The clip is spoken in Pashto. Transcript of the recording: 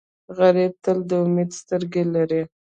غریب تل د امید سترګې لري